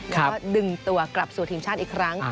แล้วก็ดึงตัวกลับสู่ทีมชาติอีกครั้ง